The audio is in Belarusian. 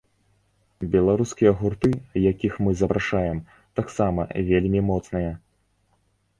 Беларускія гурты, якіх мы запрашаем, таксама вельмі моцныя.